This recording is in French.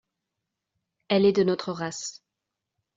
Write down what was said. Elle est de notre race.